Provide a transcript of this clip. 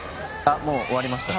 もう終わりました。